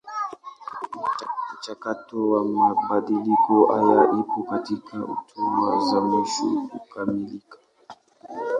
Mchakato wa mabadiliko haya upo katika hatua za mwisho kukamilika.